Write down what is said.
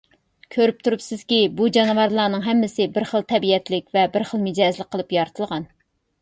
كۆرۈپ تۇرۇپسىزكى، بۇ جانىۋارلارنىڭ ھەممىسى بىر خىل تەبىئەتلىك ۋە بىر خىل مىجەزلىك قىلىپ يارىتىلغان.